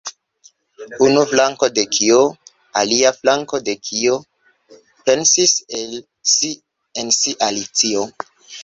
"Unu flanko de kio? Alia flanko de kio?" pensis en si Alicio.